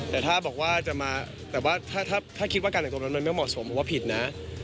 แต่ถ้าบอกว่าจะมาถ้าคิดว่าการตัวมันไม่เหมาะสมมันว่าผิดนะ